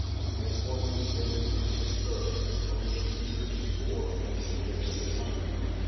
He had formerly been in the prince's service and, only a few years before, had moved into the country.